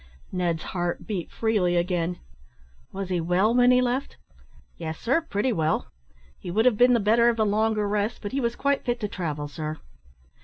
Ned's heart beat freely again. "Was he well when he left?" "Yes, sir, pretty well. He would have been the better of a longer rest, but he was quite fit to travel, sir."